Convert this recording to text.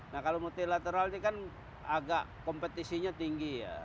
nah kalau multilateral ini kan agak kompetisinya tinggi ya